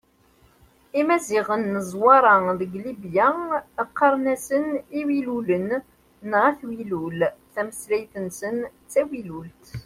Imaziɣen n Zwaṛa deg Libya qqaren-asen Iwilulen neɣ At Wilul, tameslayt-nsen d tawilult.